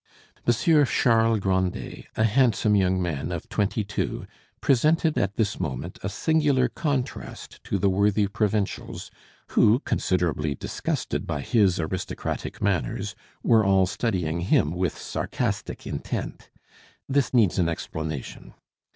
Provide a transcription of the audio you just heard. Monsieur Charles Grandet, a handsome young man of twenty two, presented at this moment a singular contrast to the worthy provincials, who, considerably disgusted by his aristocratic manners, were all studying him with sarcastic intent. This needs an explanation.